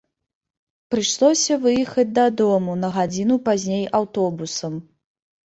Прыйшлося выехаць дадому на гадзіну пазней аўтобусам.